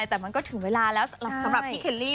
แต่มันก็ถึงเวลาแล้วสำหรับพี่เคลลี่